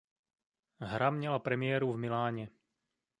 Hra měla premiéru v Miláně.